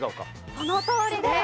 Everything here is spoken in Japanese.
そのとおりです。